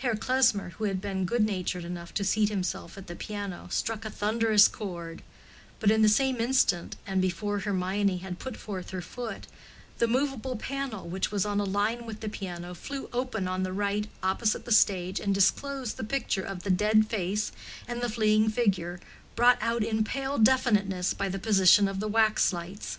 Herr Klesmer, who had been good natured enough to seat himself at the piano, struck a thunderous chord—but in the same instant, and before Hermione had put forth her foot, the movable panel, which was on a line with the piano, flew open on the right opposite the stage and disclosed the picture of the dead face and the fleeing figure, brought out in pale definiteness by the position of the wax lights.